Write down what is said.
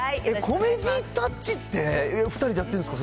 コメディータッチって、２人でやってるんですか？